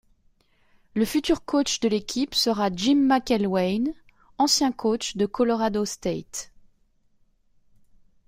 Le futur coach de l'équipe sera Jim McElwain, ancien coach de Colorado State.